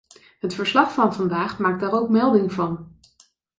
Het verslag van vandaag maakt daar ook melding van.